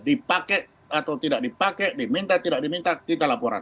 dipakai atau tidak dipakai diminta tidak diminta kita laporan